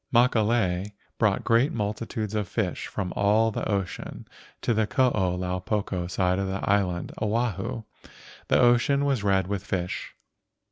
Makalei brought great multitudes of fish from all the ocean to the Koo lau poko side of the island Oahu. The ocean was red with the fish.